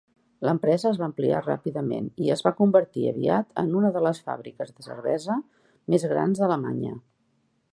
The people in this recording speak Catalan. L'empresa es va ampliar ràpidament i es va convertir aviat en una de les fàbriques de cervesa més grans d'alemanya.